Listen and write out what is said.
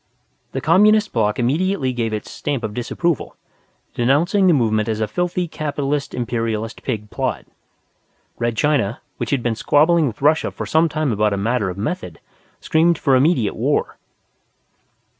The Communist Block immediately gave its Stamp of Disapproval, denouncing the movement as a filthy Capitalist Imperialist Pig plot. Red China, which had been squabbling with Russia for some time about a matter of method, screamed for immediate war.